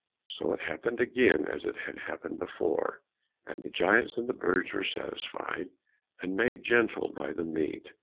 So it happened again as it had happened before, and the giants and the birds were satisfied, and made gentle by the meat.